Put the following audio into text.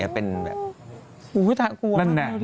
เป็นเฉย